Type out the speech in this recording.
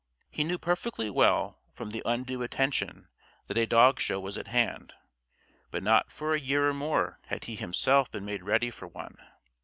He knew perfectly well, from the undue attention, that a dog show was at hand. But not for a year or more had he himself been made ready for one.